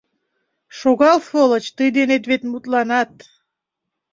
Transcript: Шогал, сволочь, тый денет вет мутланат.